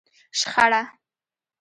شخړه